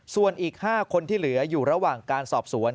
ส่วนอีก๕คนที่เหลืออยู่ระหว่างการสอบสวน